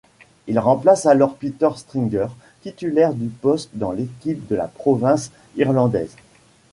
Il remplace alors Peter Stringer titulaire du poste dans l'équipe de la province irlandaise.